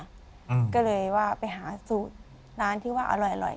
อืมก็เลยว่าไปหาสูตรร้านที่ว่าอร่อยอร่อย